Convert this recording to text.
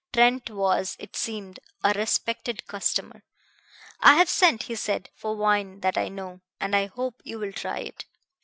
Trent was, it seemed, a respected customer. "I have sent," he said, "for wine that I know, and I hope you will try it.